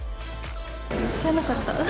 知らなかった。